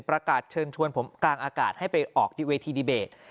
ประกาศเชิญชวนผมกลางอากาศให้ไปออกที่เวทีดีเบต